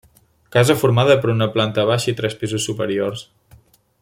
Casa formada per una planta baixa i per tres pisos superiors.